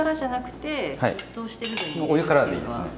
お湯からでいいですね。